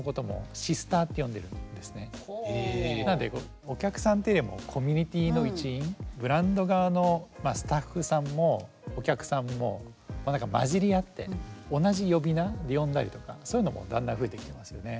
なんでお客さんっていうよりもブランド側のスタッフさんもお客さんも交じり合って同じ呼び名で呼んだりとかそういうのもだんだん増えてきてますよね。